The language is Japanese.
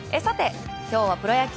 今日はプロ野球